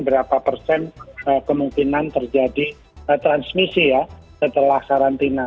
berapa persen kemungkinan terjadi transmisi ya setelah karantina